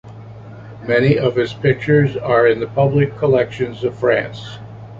Many of his pictures are in the public collections of France.